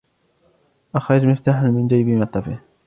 أخرج مفتاحًا من جيب معطفه.